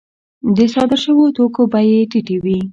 د صادر شویو توکو بیه یې ټیټه وي